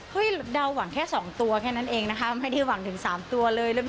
เดาหวังแค่๒ตัวแค่นั้นเองนะคะไม่ได้หวังถึง๓ตัวเลย